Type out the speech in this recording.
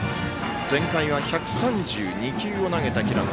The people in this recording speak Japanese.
前回は１３２球を投げた平野。